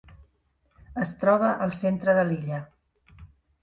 Es troba al centre de l'illa.